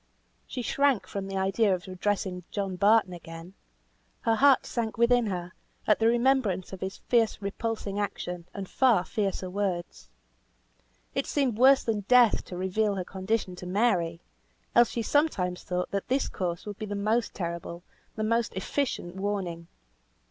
She shrank from the idea of addressing John Barton again; her heart sank within her, at the remembrance of his fierce repulsing action, and far fiercer words. It seemed worse than death to reveal her condition to Mary, else she sometimes thought that this course would be the most terrible, the most efficient warning.